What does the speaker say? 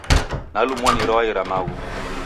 Nalumwa ni rwai ra maghu.